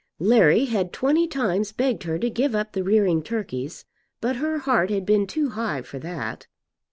Larry had twenty times begged her to give up the rearing turkeys, but her heart had been too high for that.